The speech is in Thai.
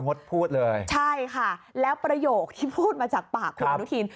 ดพูดเลยใช่ค่ะแล้วประโยคที่พูดมาจากปากคุณอนุทิน